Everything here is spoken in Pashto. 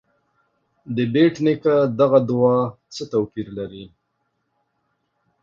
د بېټ نیکه دغه دعا څه توپیر لري.